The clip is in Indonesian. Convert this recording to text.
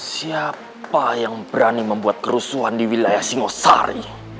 siapa yang berani membuat kerusuhan di wilayah singosari